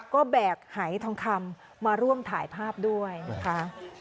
ก็แบกหายทองคำมาร่วมถ่ายภาพด้วยนะคะ